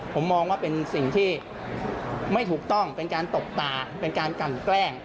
ผมมองว่าเป็นสิ่งที่ไม่ถูกต้องเป็นการตบตาเป็นการกันแกล้ง